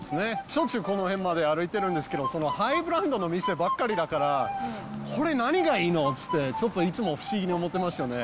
しょっちゅうこの辺まで歩いてるんですけど、ハイブランドの店ばっかりだから、これ、何がいいの？って言って、ちょっといつも不思議思ってましたね。